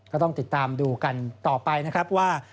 ก็ต้องติดตามดูกันต่อไปนะครับว่า